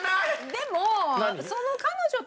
でも。